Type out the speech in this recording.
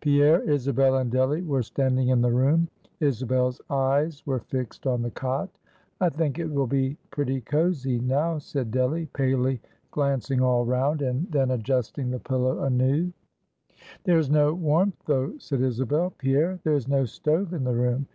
Pierre, Isabel, and Delly were standing in the room; Isabel's eyes were fixed on the cot. "I think it will be pretty cosy now," said Delly, palely glancing all round, and then adjusting the pillow anew. "There is no warmth, though," said Isabel. "Pierre, there is no stove in the room.